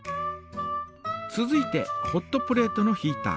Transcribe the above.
続いてホットプレートのヒータ。